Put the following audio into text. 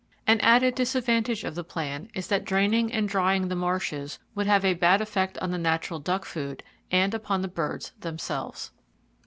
An added disadvantage of the plan is that draining and drying the marshes would have a bad effect on the natural duck food, and upon the birds themselves.